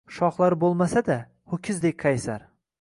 Shoxlari bo’lmasa-da, ho’kizdek qaysar.